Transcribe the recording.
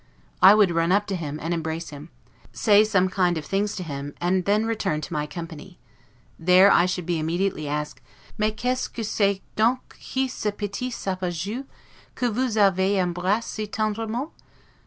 I would run up to him, and embrace him; say some kind of things to him, and then return to my company. There I should be immediately asked: 'Mais qu'est ce que c'est donc que ce petit Sapajou que vous avez embrasse si tendrement?